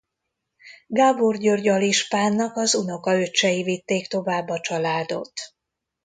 Gábor György alispánnak az unokaöccsei vitték tovább a családot.